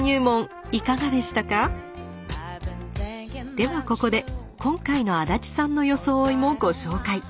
ではここで今回の足立さんの装いもご紹介。